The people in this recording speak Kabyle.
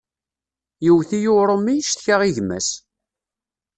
Yewwet-iyi urumi, ccektaɣ i gma-s.